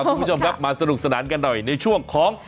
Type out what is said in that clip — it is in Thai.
คุณผู้ชมครับมาสนุกสนานกันหน่อยในช่วงของ